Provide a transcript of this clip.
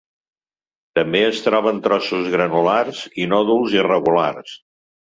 També es troba en trossos granulars i nòduls irregulars.